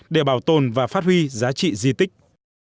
để bảo tồn và phát huy giá trị di tích